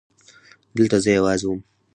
دلته زه يوازې وم.